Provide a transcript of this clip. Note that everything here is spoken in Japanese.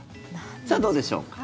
さあ、どうでしょうか。